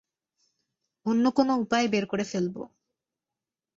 কোনো অন্য উপায় বের করে ফেলব।